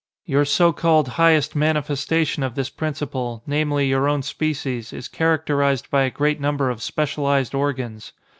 Your so called highest manifestation of this principle, namely, your own species, is characterized by a great number of specialized organs.